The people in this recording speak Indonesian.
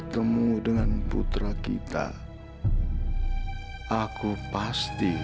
tidak ada asli yang labor